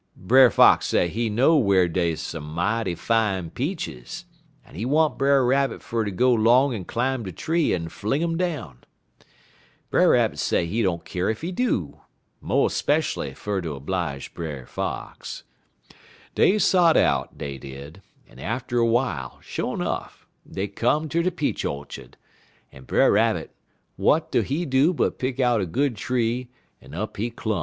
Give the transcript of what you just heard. Brer Fox say he know whar dey some mighty fine peaches, en he want Brer Rabbit fer ter go 'long en climb de tree en fling um down. Brer Rabbit say he don't keer ef he do, mo' speshually fer ter 'blige Brer Fox. "Dey sot out, dey did, en atter w'ile, sho' 'nuff, dey come ter de peach orchud, en Brer Rabbit, w'at do he do but pick out a good tree, en up he clum.